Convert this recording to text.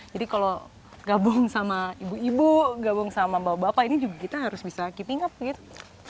jadi kalau gabung sama ibu ibu gabung sama bapak bapak ini juga kita harus bisa kitinggap gitu